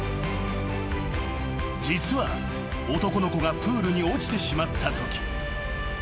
［実は男の子がプールに落ちてしまったとき］